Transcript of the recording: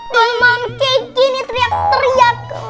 tuleman kek gini teriak teriak